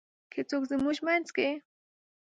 که څوک زمونږ مينځ کې :